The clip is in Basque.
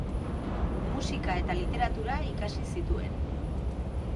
Musika eta literatura ikasi zituen.